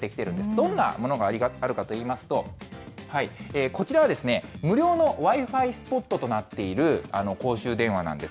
どんなものがあるかといいますと、こちらは、無料のＷｉ−Ｆｉスポットとなっている公衆電話なんです。